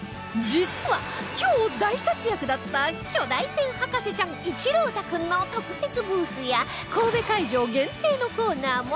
実は今日大活躍だった巨大船博士ちゃん一朗太君の特設ブースや神戸会場限定のコーナーも